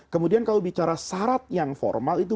kemudian kalau bicara syarat yang formal itu